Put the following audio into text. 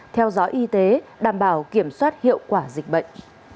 theo dõi y tế đảm bảo kiểm soát hiệu quả dịch bệnh